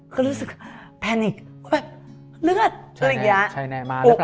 ก็รู้สึกแพนิกเลือดอะไรอย่างนี้